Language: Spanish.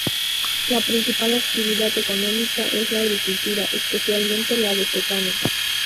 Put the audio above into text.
La principal actividad económica es la agricultura, especialmente la de secano.